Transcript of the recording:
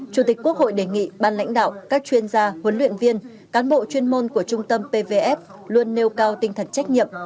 chủ tịch quốc hội đề nghị ban lãnh đạo các chuyên gia huấn luyện viên cán bộ chuyên môn của trung tâm pvf luôn nêu cao tinh thần trách nhiệm